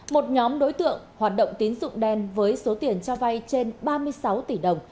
một nhóm đối tượng hoạt động tín dụng đen với số tiền cho vay trên ba mươi sáu tỷ đồng